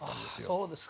そうですか。